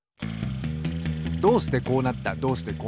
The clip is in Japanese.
どうしてこうなった？